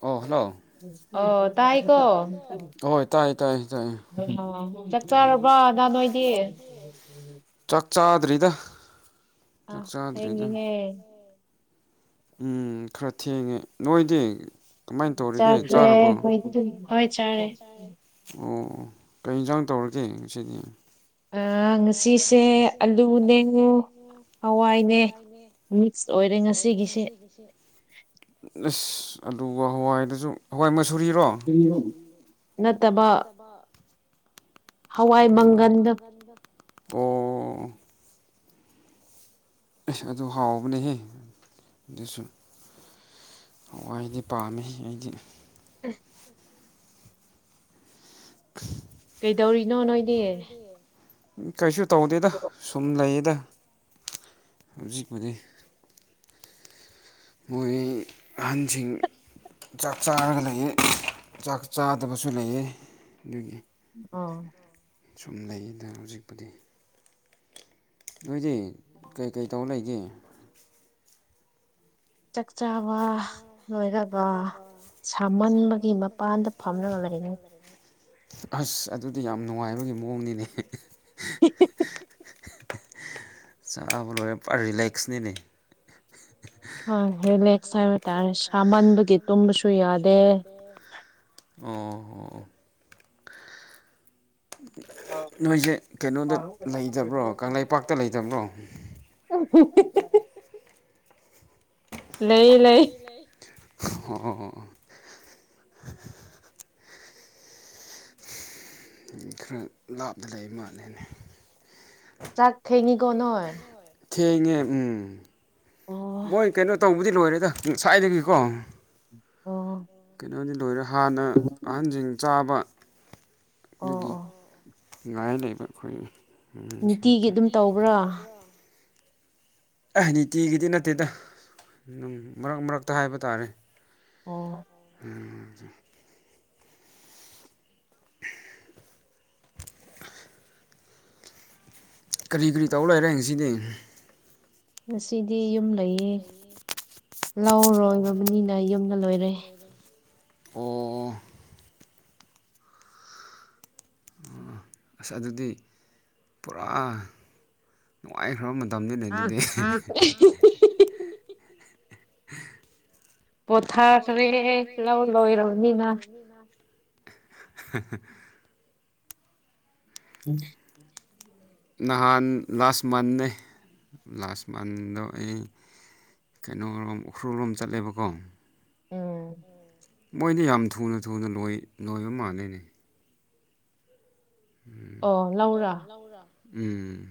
ꯑꯣ ꯍꯜꯂꯣ ꯑꯣ ꯇ ꯍꯀꯣ ꯑꯍꯣꯏ ꯆꯛꯆꯥꯥꯗꯔꯤꯗ ꯑ ꯆꯥꯛ ꯆꯥꯗ꯭ꯔꯔꯤꯗ ꯊꯦꯡꯉꯤꯍꯦ ꯎꯝ ꯈꯔ ꯊꯦꯡꯉꯦ ꯅꯣꯏꯗꯤ ꯀꯃꯥꯏꯅ ꯇꯧꯔꯤꯒꯦ ꯆꯔ ꯔꯦ ꯆꯥꯔꯕꯣ ꯍꯣꯏ ꯍꯣꯏ ꯆꯦ ꯑꯣ ꯀꯔꯤ ꯌꯦꯟꯁꯥꯡ ꯇꯧꯔꯒꯦ ꯉꯁꯤꯗꯤ ꯑ ꯉꯁꯤꯁꯦ ꯑꯂꯨꯅꯦ ꯍꯋꯥꯏꯅꯦ ꯃꯤꯛꯁ ꯑꯣꯏꯔꯦ ꯉꯁꯤꯒꯤꯁꯦ [inaudible] ꯑꯁ ꯑꯂꯨꯒ ꯍꯋꯥꯏꯗꯁꯨ ꯍꯋꯥꯏ ꯃꯁꯨꯨꯔꯤꯔꯣ ꯅꯠꯇꯕ ꯍꯋꯥꯏ ꯃꯪꯒꯟꯗ ꯑꯣ ꯑꯦꯁ ꯑꯗꯨ ꯍꯥꯎꯕꯅꯦꯍꯦ ꯑꯗꯨꯁꯨ ꯍꯋꯥꯏꯗꯤ ꯄꯥꯝꯃꯤ ꯑꯩꯗꯤ [inaudible] [unintelligible] ꯀꯩꯗꯧꯔꯤꯅꯣ ꯅꯣꯏꯗꯤ ꯀꯩꯁꯨ ꯇꯧꯗꯦꯗ ꯁꯨꯝ ꯂꯩꯌꯦꯗ ꯍꯧꯖꯤꯛꯄꯨꯗꯤ ꯃꯣꯏ ꯑꯍꯟꯁꯤꯡ ꯆꯥꯛ ꯆꯥꯔꯒ ꯂꯩꯌꯦ ꯆꯥꯛ ꯆꯥꯗꯕꯁꯨ ꯂꯩꯌꯦ ꯑꯗꯨꯒꯤ ꯑ ꯁꯨꯝ ꯂꯩꯗ ꯍꯧꯖꯤꯛꯄꯨꯗꯤ ꯅꯣꯏꯗꯤ ꯀꯩꯀꯩ ꯇꯧ ꯂꯩꯒꯦ ꯆꯥꯛ ꯆꯥꯕ ꯂꯣꯏꯔꯒ ꯁꯥꯃꯟꯕꯒꯤ ꯃꯄꯥꯟꯗ ꯐꯝꯂꯒ ꯂꯩꯔꯦ ꯑꯁ ꯑꯗꯨꯗꯤ ꯌꯥꯝ ꯅꯨꯡꯉꯥꯏꯕꯒꯤ ꯃꯑꯣꯡꯅꯤꯅꯦ꯫ [unintelligible] ꯆꯕꯂꯣꯔ ꯄꯨꯔ ꯔꯤꯂꯦꯛꯁꯅꯤꯅꯦ ꯑ ꯔꯤꯂꯦꯛꯍꯥꯏꯕ ꯇꯔꯦ ꯁꯥꯃꯟꯕꯒꯤ ꯇꯨꯝꯕꯁꯨ ꯌꯥꯗꯦ ꯑꯣ ꯑꯣ ꯑꯣ ꯅꯣꯏꯁꯦ ꯀꯩꯅꯣꯗ ꯂꯩꯇꯕ꯭ꯔꯣ ꯀꯪꯂꯩꯄꯥꯛꯇ ꯂꯩꯇꯕ꯭ꯔꯣ [unintelligible] ꯂꯩ ꯂꯩ ꯑꯣ ꯈꯔ ꯂꯥꯞꯇ ꯂꯩꯕ ꯃꯥꯜꯂꯦꯅꯦ ꯆꯥꯛ ꯈꯩꯅꯤꯀꯣ ꯅꯣꯏ [unintelligible] ꯊꯦꯡꯉꯦ ꯎꯝ ꯑꯣ ꯃꫭꯏ ꯀꯩꯅꯩꯅꯣ ꯇꯧ ꯕꯨꯗꯤ ꯂꯣꯏꯔꯦꯗ ꯁ꯭ꯋꯥꯏꯗꯒꯤꯀꯣ ꯑꯣ ꯀꯩꯅꯣꯝꯗꯤ ꯂꯣꯏꯔꯦ ꯍꯥꯟꯅ ꯑꯍꯟꯁꯤꯡ ꯆꯥꯕ ꯑꯣ ꯑꯗꯨꯒꯤ ꯑꯣ ꯉꯥꯏ ꯂꯩꯕ ꯑꯩꯈꯣꯏ [unintelligible] ꯅꯨꯡꯇꯤꯒꯤ ꯑꯗꯨꯝ ꯇꯧꯕ꯭ꯔ ꯑꯥ ꯅꯨꯡꯇꯤꯒꯤꯗꯤ ꯅꯠꯇꯦꯗ ꯃꯔꯛ ꯃꯔꯛꯇ ꯍꯥꯏꯕ ꯇꯥꯔꯦ ꯑꯣ [unintelligible] ꯀꯔꯤ ꯀꯔꯤ ꯇꯧ ꯂꯩꯔꯦ ꯉꯁꯤꯗꯤ ꯉꯁꯤꯗꯤ ꯌꯨꯝ ꯂꯩꯌꯦ ꯂꯧꯔꯣꯏꯔꯕꯅꯤꯅ ꯌꯨꯝꯗ ꯂꯣꯏꯔꯦ ꯑꯣ ꯑꯁ ꯑꯗꯨꯗꯤ ꯄꯨꯔꯥ ꯅꯨꯡꯉꯥꯏꯈ꯭ꯔꯕ ꯃꯇꯝꯅꯤꯅꯦ ꯑꯗꯨꯗꯤ꯫ ꯄꯣꯊꯥꯈꯔꯦ ꯂꯧ ꯂꯣꯏꯔꯅꯤꯅ [unintelligible] [unintelligible] [unintelligible] ꯅꯍꯥꯟ ꯂꯥꯁ ꯃꯟꯅꯦ ꯂꯥꯁ ꯃꯟꯗꯣ ꯑꯩ ꯀꯩꯅꯣꯔꯣꯝ ꯎꯈ꯭ꯔꯨꯜꯂꯣꯝ ꯆꯠꯂꯦꯕꯀꯣ ꯎꯝ ꯃꯣꯏꯗꯤ ꯌꯥꯝ ꯊꯨꯅ ꯊꯨꯅ ꯂꯣꯏ ꯂꯣꯏꯕ ꯃꯥꯜꯅꯦꯅꯦ ꯎꯝ ꯑꯣ ꯂꯧꯔꯥ ꯑꯣ ꯂꯧ ꯔ ꯎꯝ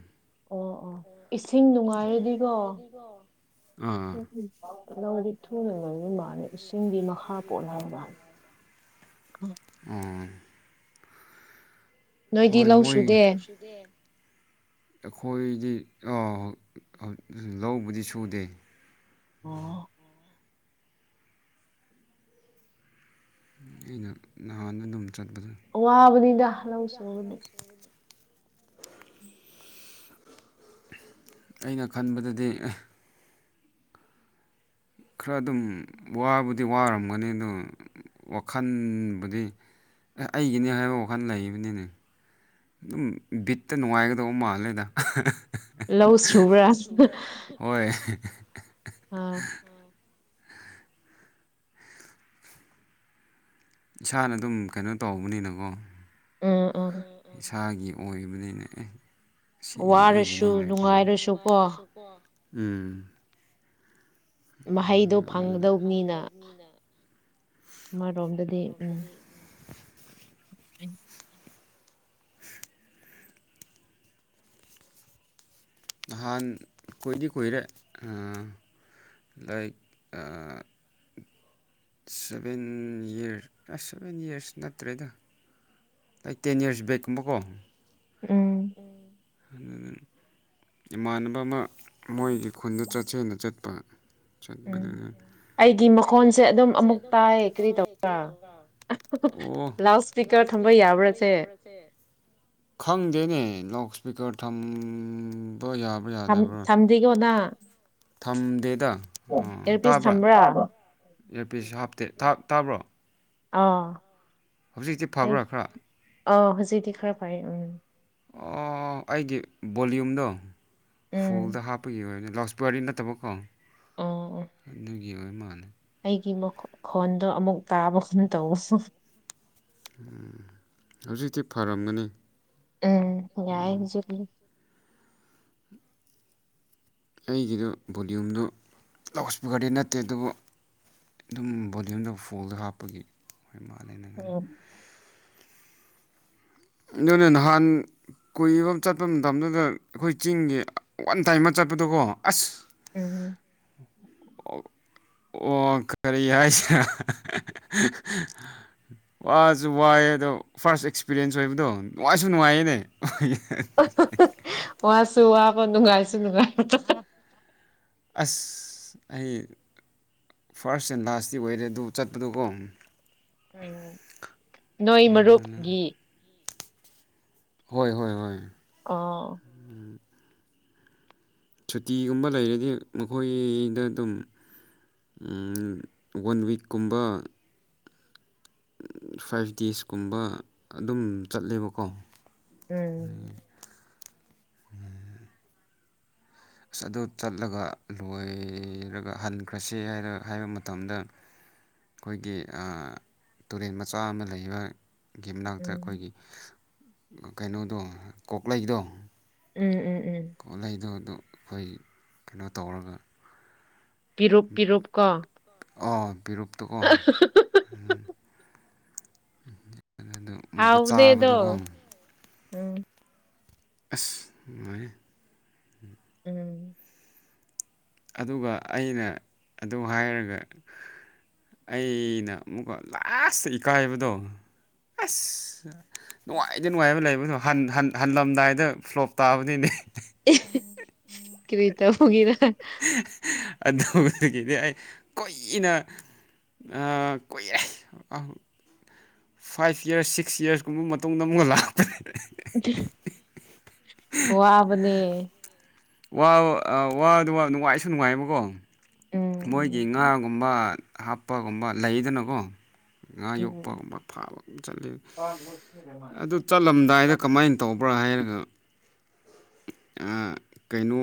ꯑꯣ ꯑꯣ ꯏꯁꯤꯡ ꯅꯨꯡꯉꯥꯏꯔꯗꯤꯀꯣ ꯑꯥ [unintelligible] ꯂꯧꯗꯤ ꯊꯨꯅ ꯂꯣꯢꯕ ꯃꯜꯂꯦ ꯏꯁꯤꯡꯒꯤ ꯃꯈꯥ ꯄꯣꯜꯍꯟꯕ ꯎꯝ ꯅꯣꯏꯗꯤ ꯍꯣꯏ ꯂꯧ ꯃꯣꯏ ꯁꯨꯗꯦ ꯂꯧꯁꯤꯡꯗꯤ꯫ ꯑꯩꯈꯣꯏꯗꯤ ꯑꯣ ꯂꯧꯕꯨꯗꯤ ꯁꯨꯗꯦ ꯑꯣ ꯑꯩꯅ ꯅꯍꯥꯟ ꯑꯗꯨꯝ ꯆꯠꯄꯗ ꯋꯥꯕꯅꯤꯗ ꯂꯧ ꯁꯨꯕꯗꯤ ꯑꯩꯅ ꯈꯟꯕꯗꯗꯤ ꯈꯔ ꯑꯗꯨꯝ ꯋꯥꯕꯨꯗꯤ ꯋꯥꯔꯝꯒꯅꯤ ꯑꯗꯣ ꯋꯥꯈꯟꯕꯨꯗꯤ ꯑꯩꯒꯤꯅꯦ ꯍꯥꯏꯕ ꯋꯥꯈꯜ ꯂꯩꯕꯅꯤꯅꯦ ꯑꯗꯨꯝ ꯕꯤꯠꯇ ꯅꯨꯡꯉꯥꯏꯒꯗꯧ ꯃꯥꯜꯂꯦꯗ [unintelligible] ꯂꯧ [unintelligible] ꯂꯧ ꯁꯨꯕ꯭ꯔꯥ ꯁꯨꯕꯔ ꯍꯣꯏ ꯑ ꯏꯁꯥꯅ ꯑꯗꯨꯝ ꯀꯩꯅꯣ ꯇꯧꯕꯅꯤꯅꯀꯣ ꯎꯝ ꯑ ꯎꯝ ꯑ ꯏꯁꯥꯒꯤ ꯑꯣꯏꯕꯅꯤꯅ ꯑꯦ ꯁꯤꯒꯤꯅꯤ ꯑꯩꯒꯤꯅꯤ ꯋꯥꯔꯁꯨ ꯅꯨꯡꯉꯥꯏꯔꯁꯨ ꯀꯣ ꯎꯝ ꯃꯍꯩꯗꯣ ꯐꯪꯒꯗꯧꯅꯤꯅ ꯑꯃꯔꯣꯝꯗꯗꯤ ꯎꯝ ꯎ ꯅꯍꯥꯟ ꯀꯣꯏꯏꯗꯤ ꯀꯨꯏꯔꯦ ꯂꯥꯏꯛ ꯁꯚꯦꯟ ꯏꯌꯥꯔꯁ ꯑꯁ ꯁꯚꯦꯟ ꯏꯔꯁ ꯅꯠꯇ꯭ꯔꯦꯗꯣ ꯂꯥꯏ ꯇꯦꯟ ꯌꯌꯥꯔꯁ ꯕꯦꯛꯀꯨꯝꯕꯀꯣ ꯎꯝ ꯎꯝ [unintelligible] ꯏꯃꯥꯟꯅꯕ ꯑꯃ ꯃꯣꯏꯒꯤ ꯈꯨꯟꯗ ꯆꯠꯁꯦꯅ ꯆꯠꯄ ꯆꯠꯕꯗ ꯎꯝ [unintelligible] ꯑꯩꯒꯤ ꯃꯈꯣꯟꯁꯦ ꯑꯗꯨꯝ ꯑꯃꯨꯛ ꯇꯥꯏ ꯀꯔꯤ ꯇꯧꯕ ꯑꯣ ꯂꯥꯎꯠ ꯏꯁꯄꯤꯀꯔ ꯊꯝꯕ ꯌꯥꯕ꯭ꯔꯁꯦ ꯈꯪꯗꯦꯅꯦ ꯂꯥꯎꯠ ꯏꯁꯄꯤꯀꯔ ꯊꯝꯕ ꯌꯥꯕ ꯊꯝꯗꯤꯒꯣꯅ ꯊꯝꯗꯦꯗ ꯑꯦꯌꯔ ꯄꯤꯁ ꯁꯝꯕ꯭ꯔꯥ ꯑꯦꯄꯤꯁ ꯍꯥꯞꯇꯦ ꯇꯥꯕ꯭ꯔꯣ ꯑꯥ ꯍꯧꯖꯤꯛꯇꯤ ꯐꯕ꯭ꯔꯥ ꯈꯔ ꯑ ꯍꯧꯖꯤꯛꯗꯤ ꯈꯔ ꯐꯥꯏ ꯎꯝ ꯑꯣ ꯑꯩꯒꯤ ꯕꯣꯂꯌꯨꯝꯗꯣ ꯐꯨꯜꯗ ꯎꯝ ꯍꯥꯞꯄꯒꯤ ꯑꯣꯏꯅꯅꯤ ꯂꯥꯎꯁ ꯄꯨꯋꯥꯔꯤ ꯅꯠꯇꯕꯀꯣ ꯑꯣ ꯑꯣ ꯑꯗꯨꯒꯤ ꯑꯣꯏ ꯃꯥꯜꯂ ꯑꯩꯒꯤ ꯈꯣꯟꯗꯣ ꯑꯃꯨꯛ ꯇꯥꯕ ꯈꯅ ꯇꯧꯕꯁꯨ ꯎꯝ ꯍꯧꯖꯤꯛꯇꯤ ꯐꯔꯝꯒꯅꯤ ꯎꯝ ꯌꯥꯏꯖ ꯑꯩꯒꯤꯗꯨ ꯕꯣꯂꯌꯨꯝꯗꯣ ꯂꯥꯎꯠ ꯏꯁꯄꯤꯀꯔꯗꯤ ꯅꯠꯇꯦ ꯑꯗꯨꯕꯨ ꯑꯗꯨꯝ ꯕꯣꯗꯤꯌꯝꯗ ꯐꯣꯜꯗ ꯍꯥꯞꯄꯒꯤ ꯍꯣꯏ ꯃꯥꯜꯂꯦꯅ ꯉ ꯎꯝ ꯅ ꯅꯍꯥꯟ ꯀꯨꯏꯕ ꯆꯠꯄ ꯃꯇꯝꯗꯨꯗ ꯑꯩꯈꯣꯏ ꯆꯤꯡꯒꯤ ꯋꯥꯟ ꯇꯥꯏꯝ ꯑꯃ ꯆꯠꯄꯗꯣꯀꯣ ꯑꯁ ꯎꯝ ꯎꯝ ꯑꯣ ꯀꯔꯤ ꯍꯥꯏꯁ ꯋꯥꯁꯨ ꯋꯥꯏꯑ ꯑꯗꯣ ꯐꯥꯔꯁ ꯑꯦꯛꯁꯄꯤꯔꯤꯌꯦꯟꯁ ꯑꯣꯏꯕꯗꯣ ꯅꯨꯡꯉꯥꯏꯁꯨ ꯅꯨꯡꯉꯥꯏꯌꯦꯅꯦ ꯃꯣꯏ ꯆꯕꯣ ꯅꯨꯡꯉꯥꯏꯁꯨ ꯅꯨꯡꯉꯥꯏ ꯑꯁ ꯑꯩ ꯐꯥꯔꯁ ꯑꯦꯟ ꯂꯥꯁꯇꯤ ꯑꯣꯏꯔꯦ ꯑꯗꯨ ꯆꯠꯄꯗꯨꯀꯣ ꯎꯝ ꯅꯣꯏ ꯃꯔꯨꯞꯀꯤ ꯍꯣꯏ ꯍꯣꯏ ꯍꯣꯏ ꯑ ꯁꯨꯇꯤꯒꯨꯝꯕ ꯂꯩꯔꯗꯤ ꯃꯈꯣꯏꯗ ꯑꯗꯨꯝ ꯋꯥꯟ ꯋꯤꯛꯀꯨꯝꯕ ꯐꯥꯏꯚ ꯗꯦꯖꯀꯨꯝꯕ ꯑꯗꯨꯝ ꯆꯠꯂꯦꯕꯀꯣ ꯎꯝ ꯑꯁ ꯑꯗꯨ ꯆꯠꯂꯒ ꯂꯣꯏꯔꯒ ꯍꯟꯈ꯭ꯔꯁꯤ ꯍꯥꯏꯔ ꯍꯥꯏꯕ ꯃꯇꯝꯗ ꯑꯩꯈꯣꯏꯒꯤ ꯇꯨꯔꯦꯟ ꯃꯆꯥ ꯑꯃ ꯂꯩꯕ ꯒ ꯎꯝ ꯃꯅꯥꯛꯇ ꯎꯝ ꯑꯩꯈꯣꯏꯒꯤ ꯀꯩꯅꯣꯗꯣ ꯀꯣꯛꯂꯩꯗꯣ ꯎꯝ ꯎꯝ ꯎꯝ ꯀꯣꯠꯂꯗꯣ ꯑꯗꯨ ꯑꯩꯈꯣꯏ ꯀꯩꯅꯣ ꯇꯧꯔꯒ ꯄꯤꯔꯨꯞ ꯄꯤꯔꯨꯞꯀꯣ ꯑꯣ ꯄꯔꯨꯞꯨꯞꯇ ꯑꯣ ꯎ ꯑꯗꯨꯣ ꯍꯥꯎꯗꯦꯗꯣ ꯎꯝ ꯑꯁ ꯃꯥꯅꯦ ꯎꯝ ꯑꯗꯨꯒ ꯑꯩꯅ ꯑꯗꯨ ꯍꯥꯏꯔꯒ ꯑꯩꯅ ꯑꯃꯨꯛꯀ ꯂꯥꯁꯇ ꯏꯀꯥꯏꯕꯗꯣ ꯑꯁ ꯅꯨꯡꯉꯥꯏꯇ ꯅꯨꯡꯉꯥꯏꯕ ꯂꯩꯕꯗꯣ ꯍꯜꯂꯝꯗꯥꯏꯗ ꯐ꯭ꯂꯣꯞ ꯇꯥꯕꯅꯤꯅꯦ ꯀꯔꯤꯇ ꯍꯒꯔ ꯑꯗꯨꯗꯒꯤꯗꯤ ꯑꯩ ꯀꯨꯏꯅ ꯑ ꯀ ꯑ ꯐꯥꯏꯚ ꯌꯔꯁ ꯁꯤꯛꯁ ꯌꯔꯁ ꯀꯨꯝꯕ ꯃꯇꯨꯡꯗ ꯑꯃꯨꯛ ꯂꯥꯛꯄꯅꯦ ꯋꯥ ꯋꯥꯕꯅꯦ ꯋꯥ ꯅꯨꯡꯉꯥꯏꯁꯨ ꯅꯨꯡꯉꯥꯏꯌꯦꯕꯀꯣ ꯎꯝ ꯃꯣꯏꯒꯤ ꯎꯝ ꯉꯥꯒꯨꯝꯕ ꯍꯥꯞꯄꯒꯨꯝꯕ ꯂꯩꯗꯅꯀꯣ ꯉꯥ ꯎꯝ ꯌꯣꯛꯄꯒꯨꯝꯕ ꯐꯥꯕꯒꯨꯝ ꯆꯠꯂꯤ ꯑꯗꯨ ꯆꯠꯂꯝꯗꯥꯏꯗ ꯀꯃꯥꯏꯅ ꯇꯧꯕ꯭ꯔꯥ ꯍꯥꯏꯔꯒ ꯀꯩꯅꯣ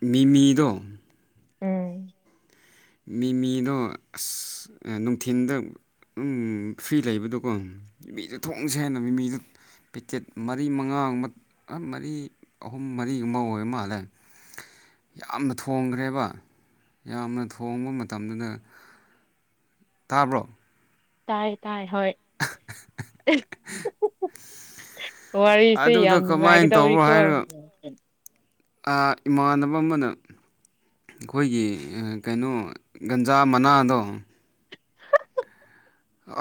ꯃꯤꯃꯤꯗꯣ ꯎꯝ ꯃꯤꯃꯤꯗꯣ ꯑꯁ ꯅꯨꯡꯊꯤꯟꯜꯗ ꯎꯝ ꯐ꯭ꯔꯤ ꯂꯩꯕꯗꯣꯀꯣ ꯃꯤꯗꯣ ꯊꯣꯡꯁꯦ ꯍꯦꯟꯅ ꯃꯤ ꯃꯤꯗ ꯄꯤꯀꯦꯠ ꯃꯔꯤ ꯃꯉꯥꯒꯕ ꯃꯔꯤ ꯑꯍꯨꯝ ꯃꯔꯤꯒꯨꯝꯕ ꯑꯣꯏ ꯃꯥꯜꯂꯦ ꯌꯥꯝꯅ ꯊꯣꯡꯈ꯭ꯔꯦꯕ ꯌꯥꯝꯅ ꯊꯣꯡꯕ ꯃꯇꯝꯗꯨꯗ ꯇꯥꯕ꯭ꯔꯣ ꯇꯥꯏ ꯇꯥꯏ ꯍ ꯑꯗꯨꯗ ꯀꯃꯥꯏꯅ ꯇꯧꯕ꯭ꯔꯣ ꯅꯨꯡꯉꯥꯏꯒꯗꯧꯔꯤꯀꯣ ꯍꯥꯏꯔꯣ ꯏꯃꯥꯟꯅꯕ ꯑꯃꯅ ꯑꯩꯈꯣꯏꯒꯤ ꯀꯩꯅꯣ ꯒꯟꯖꯥ ꯃꯅꯥꯗꯣ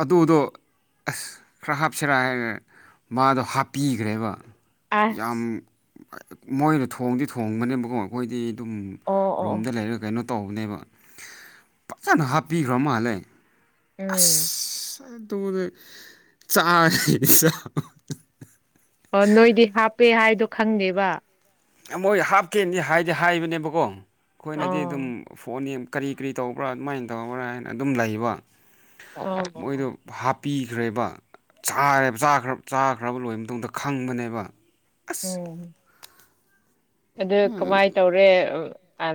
ꯑꯗꯨꯗꯣ ꯑꯁ ꯈꯔ ꯍꯥꯞꯆꯔꯥ ꯍꯥꯏꯔ ꯃꯥꯗꯣ ꯍꯥꯞꯄꯤꯈ꯭ꯔꯦꯕ ꯌꯥꯝ ꯑꯁ ꯃꯣꯏꯅ ꯊꯣꯡꯗꯤ ꯊꯣꯡꯕꯅꯦꯕꯀꯨꯝ ꯑꯩꯈꯣꯏꯗꯤ ꯑꯗꯨꯝ ꯑꯣ ꯑꯣ ꯑꯣ ꯔꯣꯝꯗ ꯂꯩꯔꯒ ꯀꯩꯅꯣ ꯇꯧꯕꯅꯦꯕ ꯐꯖꯅ ꯍꯥꯞꯄꯤꯈ꯭ꯔ ꯃꯥꯜꯂꯦ ꯎꯝ ꯏꯁꯗꯣꯡꯅ ꯆꯥꯁ ꯑꯣ ꯅꯣꯏꯗꯤ ꯍꯥꯞꯄꯦ ꯍꯥꯏꯗꯣ ꯈꯪꯗꯦꯕ ꯃꯣꯏ ꯍꯥꯞꯀꯦꯗꯤ ꯍꯥꯏꯗꯤ ꯍꯥꯏꯕꯅꯦꯕꯀꯣ ꯑꯩꯈꯣꯏꯅꯗꯤ ꯑꯗꯨꯝ ꯑꯣ ꯐꯣꯟ ꯌꯦ ꯀꯔꯤ ꯀꯔꯤ ꯇꯧꯕ꯭ꯔꯥ ꯑꯗꯨꯃꯥꯏꯅ ꯇꯧꯕ꯭ꯔꯥ ꯍꯥꯏꯅ ꯑꯗꯨꯝ ꯂꯩꯕ ꯑꯣ ꯃꯣꯏꯗꯨ ꯑꯣ ꯍꯥꯞꯄꯤꯈ꯭ꯔꯦꯕ ꯆꯥꯈ꯭ꯔꯕ ꯂꯣꯏꯔꯕ ꯃꯇꯨꯡꯗ ꯈꯪꯕꯅꯦꯕ ꯑꯁ ꯑꯣꯝ ꯑꯗꯨ ꯀꯃꯥꯏ ꯇꯧꯔꯦ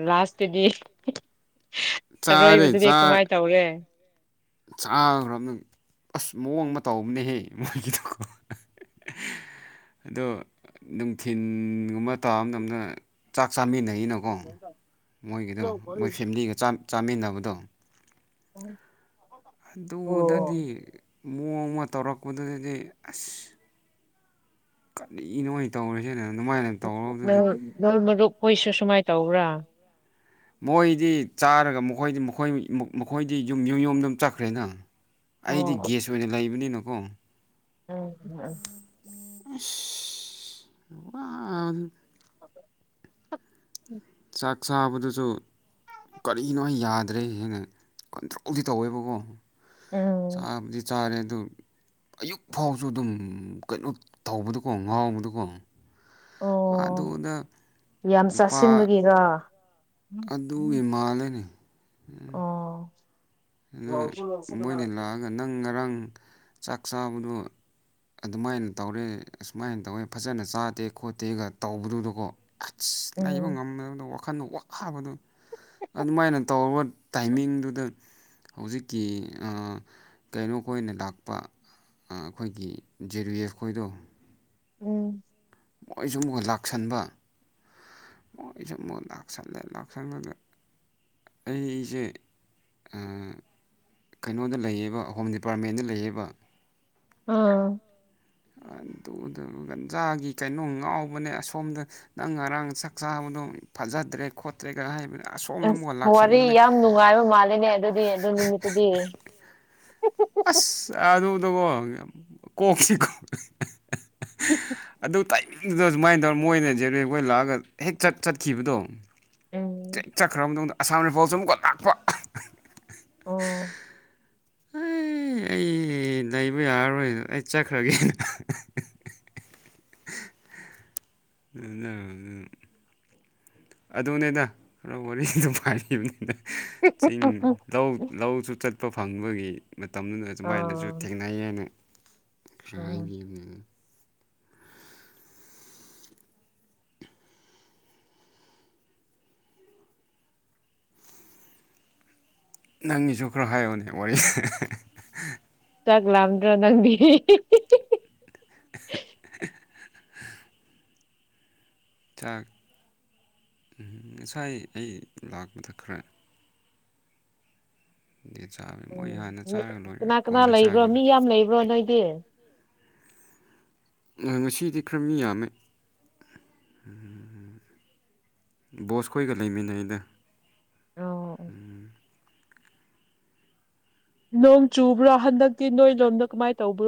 ꯂꯥꯁꯇꯗꯤ ꯆꯥꯔꯦ ꯑꯔꯣꯏꯕꯗꯨꯗꯤ ꯀꯃꯥꯏꯅ ꯇꯧꯔꯦ ꯆꯥꯈ꯭ꯔꯕꯅ ꯑꯁ ꯃꯑꯣꯡꯕ ꯇꯧꯕꯅꯦꯍꯦ ꯃꯣꯏꯒꯤꯗꯨꯀꯣ ꯑꯣ ꯅꯨꯡꯊꯤꯤꯟꯒꯨꯝꯕ ꯇꯥꯕ ꯃꯇꯝ ꯃꯇꯝꯗ ꯆꯥꯛ ꯆꯥꯃꯤꯟꯅꯩ ꯀꯩꯅꯣꯀꯣ ꯃꯣꯏꯒꯤꯗꯣ ꯃꯣꯏ ꯐꯦꯃꯤꯂꯤꯒ ꯆꯥꯃꯤꯟꯅꯕꯗꯣ ꯇ ꯑꯗꯨꯗꯗꯤ ꯃꯑꯣꯡꯃ ꯇꯧꯔꯛꯄꯗꯨꯗꯗꯤ ꯑꯁ ꯀꯅꯤꯅꯣ ꯇꯧꯔꯤꯁꯤꯅ ꯑꯗꯨꯃꯥꯏꯅ ꯇꯧꯔꯨꯔꯕꯗꯨꯗꯤ ꯅꯜ ꯃꯔꯨꯞ ꯍꯣꯏꯁꯨ ꯁꯨꯃꯥꯏꯅ ꯇꯧꯕ꯭ꯔꯥ ꯃꯣꯏꯗꯤ ꯆꯥꯔꯒ ꯃꯈꯣꯏꯗꯤ ꯃꯈꯣꯏ ꯃꯈꯣꯏꯗꯤ ꯌꯨꯝ ꯌꯨꯝ ꯌꯨꯝꯗ ꯑꯗꯨꯝ ꯆꯠꯈ꯭ꯔꯦꯅ ꯑꯩꯗꯤ ꯑꯣ ꯒꯦꯁ ꯑꯣꯏꯅ ꯂꯩꯕꯅꯤꯅꯀꯣ ꯎꯝ ꯎꯝ ꯑ ꯋꯥ ꯎꯝ ꯆꯥꯛ ꯁꯥꯕꯗꯨꯁꯨ ꯀꯔꯤꯅꯣ ꯑꯩ ꯌꯥꯗ꯭ꯔꯦ ꯍꯦꯟꯅ ꯀꯟꯇ꯭ꯔꯣꯜꯗꯤ ꯇꯧꯋꯦꯕꯀꯣ ꯎꯝ ꯆꯥꯕꯗꯤ ꯆꯥꯔꯦ ꯑꯗꯨ ꯑꯌꯨꯛ ꯐꯥꯎꯁꯨ ꯑꯗꯨꯝ ꯀꯩꯅꯣ ꯊꯧꯕꯗꯀꯣ ꯉꯥꯎꯕꯗꯀꯣ ꯑꯣ ꯑꯗꯨꯗ ꯅꯨꯄꯥ ꯒ ꯑꯗꯨꯒꯤ ꯃꯥꯜꯂꯅꯤ ꯑꯣ ꯑꯗꯨ ꯃꯣꯏꯅ ꯂꯥꯛꯑꯒ ꯅꯪ ꯉꯔꯥꯡ ꯆꯥꯛ ꯆꯥꯕꯗꯣ ꯑꯗꯨꯃꯥꯏꯅ ꯇꯧꯔꯦ ꯑꯁꯨꯃꯥꯏꯅ ꯇꯧꯋꯦ ꯐꯖꯅ ꯆꯥꯗꯦ ꯈꯣꯠꯇꯦꯒ ꯇꯧꯕꯗꯨꯗꯀꯣ ꯀꯠ ꯂꯩꯕ ꯎꯝ ꯉꯝꯅꯕꯗ ꯋꯥ ꯋꯥꯈꯜ ꯋꯥꯕꯗꯨꯣ ꯑꯗꯨꯃꯥꯏꯅ ꯇꯧꯔꯕ ꯇꯥꯏꯃꯤꯡꯗꯨꯗ ꯍꯧꯖꯤꯛꯀꯤ ꯀꯩꯅꯣ ꯀ ꯑꯣꯏꯅ ꯂꯥꯛꯄ ꯑꯩꯈꯣꯏꯒꯤ ꯖꯦꯔꯤ ꯑꯦꯐ ꯈꯣꯏꯗꯣ ꯎꯝ ꯃꯣꯏꯁꯨ ꯃꯨꯣꯏꯒ ꯂꯥꯛꯁꯟꯕ ꯁꯨ ꯂꯥꯛꯁꯦ ꯂꯥꯛꯁ ꯑꯩꯁꯦ ꯀꯩꯅꯣꯗ ꯂꯩꯌꯦꯕ ꯍꯣꯝ ꯗꯤꯄꯥꯔꯠꯃꯦꯟꯗ ꯂꯩꯌꯦꯕ ꯎꯝ ꯒꯟꯖꯥꯒꯤ ꯀꯩꯅꯣ ꯉꯥꯎꯕꯅꯦ ꯑꯁꯣꯝꯗ ꯅꯪ ꯉꯔꯥꯡ ꯆꯥꯛ ꯆꯥꯕꯗꯣ ꯐꯖꯗ꯭ꯔꯦ ꯈꯣꯠꯇ꯭ꯔꯦ ꯀ ꯍꯥꯏꯕꯅ ꯑ ꯋꯥꯔꯤ ꯌꯥꯝ ꯅꯨꯡꯉꯥꯏꯕ ꯃꯥꯜꯂꯦꯅꯦ ꯑꯗꯨꯗꯤ ꯑꯗꯨ ꯅꯨꯃꯤꯠꯇꯨꯗꯤ ꯑꯁ ꯑꯗꯨꯗꯨꯀꯣ ꯀꯣꯛꯁꯤ ꯀꯣ ꯍ ꯑꯗꯨ ꯇꯥꯏꯝꯗꯨꯗ ꯁꯨꯃꯥꯏꯅ ꯇꯧꯔ ꯃꯣꯏꯅ ꯖꯦꯔꯦꯛꯈꯣꯏ ꯂꯥꯛꯑꯒ ꯍꯦꯛ ꯆꯠ ꯆꯠꯈꯤꯕꯗꯣ ꯎꯝ ꯦꯛ ꯆꯠꯈ꯭ꯔꯕ ꯃꯇꯨꯡꯗ ꯑꯁꯥꯝ ꯔꯤꯐꯣꯜꯁꯨ ꯑꯃꯛꯣ ꯇꯥꯛꯄ ꯑꯣ ꯑꯩ ꯑꯩ ꯂꯩꯕ ꯌꯥꯔꯔꯣꯏꯗ ꯑꯩ ꯆꯠꯈ꯭ꯔꯒꯦꯅ ꯑꯗꯨ ꯑꯗꯨꯅꯦꯗ ꯈꯔ ꯋꯥꯔꯤꯗ ꯄꯥꯏꯔꯤꯕꯅꯤꯅ ꯆꯤꯡ ꯂꯧ ꯂꯧꯁꯨ ꯆꯠꯄ ꯐꯪꯕꯒꯤ ꯃꯇꯝꯗꯨꯗ ꯑꯗꯨꯃꯥꯏꯅꯁꯨ ꯑꯥ ꯊꯦꯡꯅꯩ ꯍꯥꯏꯅ ꯈꯔ ꯎꯝ ꯍꯥꯏꯕꯤ ꯅꯪꯒꯤꯁꯨ ꯈꯔ ꯍꯥꯏꯌꯣꯅꯦ ꯋꯥꯔꯤ ꯆꯥꯛ ꯂꯝꯗ꯭ꯔꯣ ꯅꯪ ꯆꯥꯛ ꯎꯝ ꯉꯁꯥꯏ ꯑꯩ ꯂꯥꯛꯄꯗ ꯈꯔ ꯗꯤ ꯆꯥꯕ ꯃꯣꯏ ꯎꯝ ꯍꯥꯟꯅ ꯆꯥꯔꯒ ꯂꯣꯏꯔ ꯀꯅꯥ ꯀꯅꯥ ꯀꯣꯟꯅ ꯂꯩꯕ꯭ꯔꯣ ꯆꯥꯒꯅꯤ ꯃꯤ ꯌꯥꯝ ꯂꯩꯕ꯭ꯔꯣ ꯅꯣꯏꯗꯤ ꯉꯁꯤꯗꯤ ꯈꯔ ꯃꯤ ꯌꯥꯝꯃꯦ ꯎꯝ ꯎꯝ ꯕꯣꯁꯈꯣꯏꯒ ꯂꯩꯃꯤꯟꯅꯩ ꯑꯩꯗ ꯑꯣ ꯎꯝ ꯅꯣꯡ ꯆꯨꯕ꯭ꯔꯣ ꯍꯟꯗꯛꯇꯤ ꯅꯣꯏ ꯂꯣꯝꯗ ꯀꯃꯥꯏꯅ ꯇꯧꯕ꯭ꯔꯣ